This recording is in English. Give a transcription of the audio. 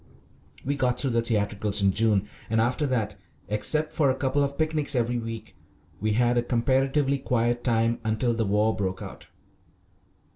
We got through the theatricals in June, and after that, except for a couple of picnics every week, we had a comparatively quiet time until the war broke out.